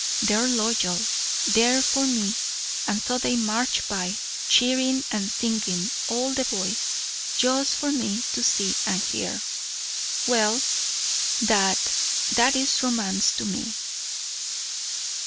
They're loyal. They're for me. And so they march by cheering and singing all the boys just for me to see and hear. Well that that's romance to me."